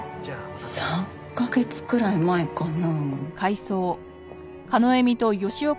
３カ月くらい前かな。